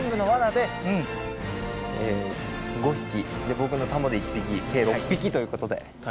で僕のタモで１匹計６匹ということで。